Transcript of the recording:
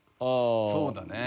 そうだね。